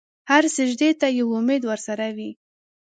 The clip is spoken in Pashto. هر سجدې ته یو امید ورسره وي.